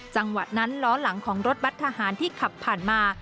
จังหวะนั้นล้อหลังของรถบัตรทหารที่ขับผ่านมา